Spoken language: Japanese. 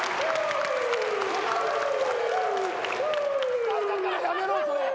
不快だからやめろそれ！